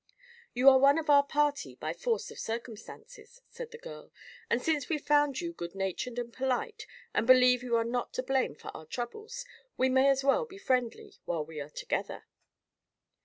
"You are one of our party, by force of circumstances," said the girl, "and since we've found you good natured and polite, and believe you are not to blame for our troubles, we may as well be friendly while we are together."